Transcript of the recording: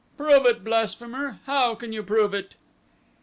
"Prove it, blasphemer! How can you prove it?"